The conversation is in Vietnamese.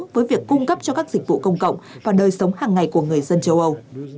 với việc cung cấp cho các dịch vụ công cộng và đời sống hàng ngày của người dân châu âu